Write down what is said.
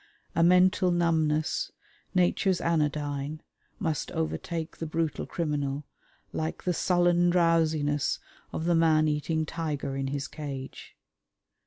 A mental numbness, Nature's anodyne, must overtake the brutal criminal, like the sullen drowsiness of the man eating tiger in his cage.